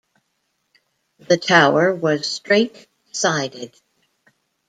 The tower was straight-sided.